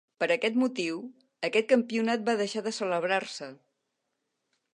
Per aquest motiu, aquest campionat va deixar de celebrar-se.